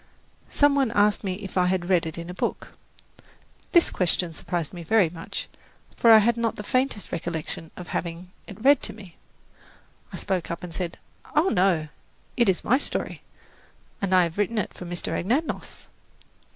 Some one asked me if I had read it in a book. This question surprised me very much; for I had not the faintest recollection of having had it read to me. I spoke up and said, "Oh, no, it is my story, and I have written it for Mr. Anagnos."